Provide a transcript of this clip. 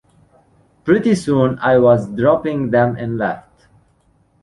Pretty soon I was dropping them in left.